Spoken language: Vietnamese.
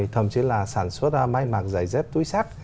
thậm chí là sản xuất máy mạc giày dép túi xác